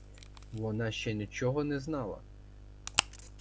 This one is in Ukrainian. Вона ще нічого не знала.